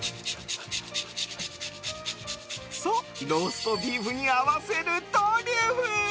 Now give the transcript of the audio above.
そう、ローストビーフに合わせるトリュフ！